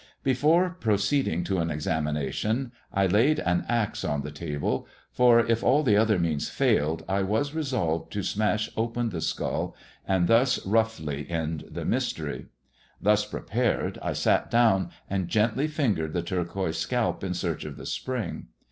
Before proceeding to an examination, I laid an axe on the table, for, if all other means failed, I was resolved to smash open the skull and thus roughly end the mystery. Thus prepared, I sat down and gently fingered the turquoise scalp in search of the spring.